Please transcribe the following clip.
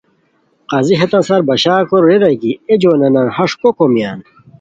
قاضی ہیتان سار بشار کوری ریتائے کی اے جوانانان ہݰ کو کومیان؟